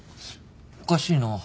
おかしいな。